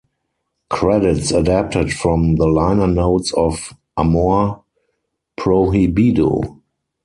Credits adapted from the liner notes of "Amor Prohibido".